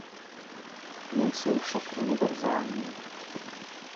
Nejsou však univerzální.